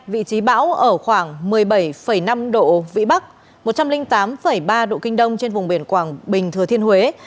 vị trí bão ở khoảng một mươi bảy năm độ vĩ bắc một trăm linh tám ba độ kinh đông trên vùng biển quảng bình thừa thiên huế